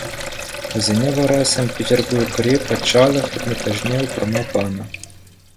Вӗсене вара Санкт-Петербургри Патшалӑх Эрмитажне упрама панӑ.